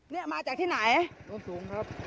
เนี่ยมาจากที่ไหนโดนสูงครับ